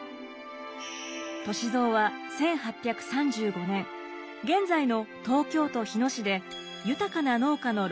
歳三は１８３５年現在の東京都日野市で豊かな農家の六男に生まれました。